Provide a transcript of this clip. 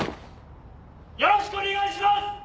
よろしくお願いします！